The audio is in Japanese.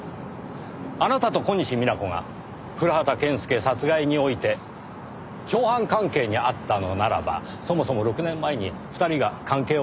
あなたと小西皆子が古畑健介殺害において共犯関係にあったのならばそもそも６年前に２人が関係を断ち切る必要はなかった。